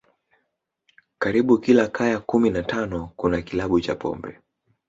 Karibu kila kaya kumi na tano kuna kilabu cha pombe